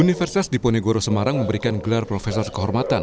universitas diponegoro semarang memberikan gelar profesor kehormatan